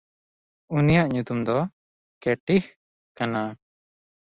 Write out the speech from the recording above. ᱩᱱᱤᱭᱟᱜ ᱧᱩᱛᱩᱢ ᱫᱚ ᱠᱮᱴᱤᱦ ᱠᱟᱱᱟ᱾